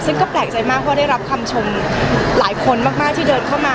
ซึ่งก็แปลกใจมากว่าได้รับคำชมหลายคนมากที่เดินเข้ามา